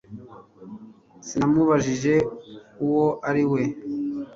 sinamubajije uwo ari we